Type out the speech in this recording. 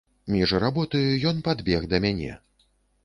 Між работаю ён падбег да мяне.